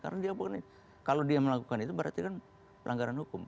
karena kalau dia melakukan itu berarti kan pelanggaran hukum